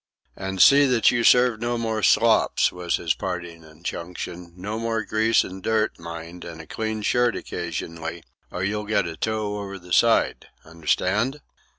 "And see that you serve no more slops," was his parting injunction. "No more grease and dirt, mind, and a clean shirt occasionally, or you'll get a tow over the side. Understand?"